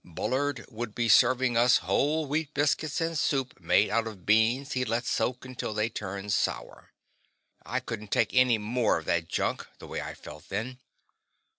Bullard would be serving us whole wheat biscuits and soup made out of beans he'd let soak until they turned sour. I couldn't take any more of that junk, the way I felt then.